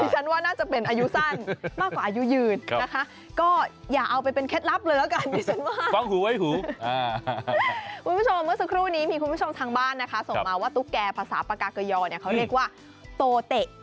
ก็อย่าเอาไปเป็นเคล็ดลับเลยละกันคุณผู้ชมทางบ้านส่งมาว่าตุ๊กแก่ภาษาปากากยอเขาเรียกว่าโตเตะ